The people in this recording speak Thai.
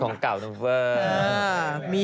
ของเก่านะเวอร์